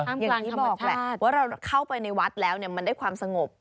อย่างที่บอกแหละว่าเราเข้าไปในวัดแล้วมันได้ความสงบ